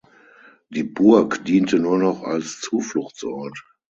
Die Burg diente nur noch als Zufluchtsort.